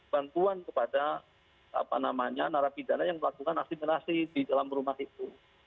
bantuan kepada narapidana yang melakukan asimilasi di dalam rumah itu